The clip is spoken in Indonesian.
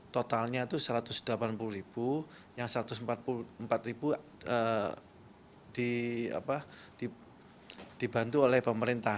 totalnya itu rp satu ratus delapan puluh yang rp satu ratus empat puluh empat dibantu oleh pemerintah